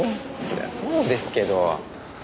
そりゃそうですけど。